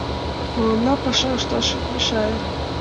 Мыланна паша ышташ ит мешае.